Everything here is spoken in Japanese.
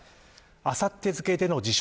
あさって付けでの辞職。